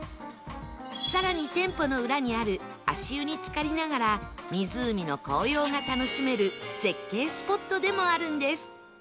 更に店舗の裏にある足湯につかりながら湖の紅葉が楽しめる絶景スポットでもあるんです